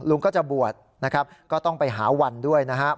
ลุงก็จะบวชนะครับก็ต้องไปหาวันด้วยนะครับ